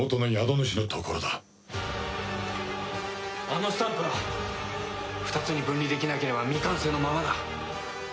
あのスタンプは２つに分離できなければ未完成のままだ。